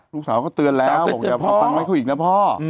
ลูกสาวก็เตือนแล้วตังไม่เข้าอีกนะพ่อ